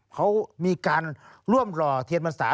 เขามีการร่วมหล่อเทียนพรรษา